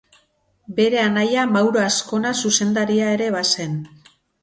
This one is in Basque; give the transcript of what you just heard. Bere anaia Mauro Azkona zuzendaria ere bazen.